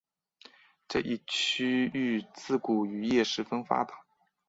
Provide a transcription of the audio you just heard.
这一区域自古渔业十分发达。